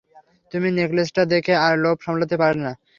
তুমি নেকলেসটা দেখে আর লোভ সামলাতে পারলে না।